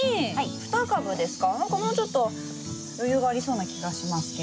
何かもうちょっと余裕がありそうな気がしますけど。